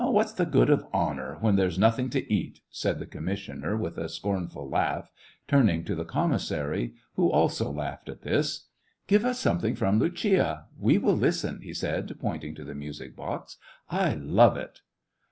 " What's the good of honor, when there's noth ing to eat !" said the commissioner with a scorn ful laugh, turning to the commissary, who also laughed at this. " Give us something from 'Lucia'; we will listen," he said, pointing to the music box. *' I love it."